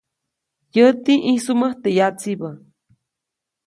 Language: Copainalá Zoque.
Yäti ʼĩjsuʼmät teʼ yatsibä.